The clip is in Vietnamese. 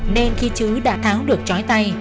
nên khi chữ đã tháo được trói tay